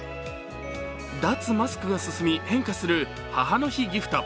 脱マスクが進み変化する母の日ギフト。